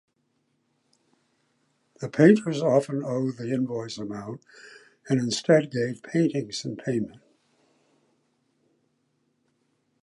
The painters often owed the invoice amount and instead gave paintings in payment.